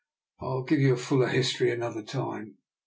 I'll give you a fuller history another time."